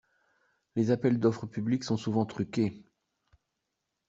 Les appels d'offre publics sont souvent truqués.